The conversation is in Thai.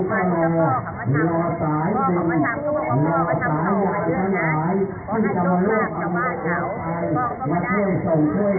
พ่อเขามาทำตัวเพราะพ่อเขาทำต่อมาด้วยน่ะเพราะฉะนั้นต้องลากจากบ้านเหลาพ่อเขาก็มาด้านห้ามงวด